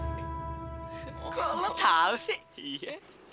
kok lo tau sih